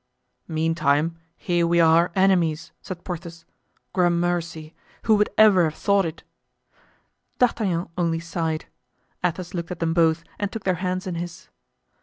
"Meantime, here we are, enemies!" said Porthos. "Gramercy! who would ever have thought it?" D'Artagnan only sighed. Athos looked at them both and took their hands in his.